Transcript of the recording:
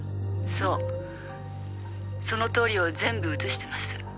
「そうその通りを全部写してます」